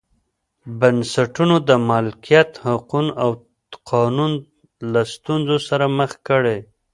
بنسټونو د مالکیت حقوق او قانون له ستونزو سره مخ کړي.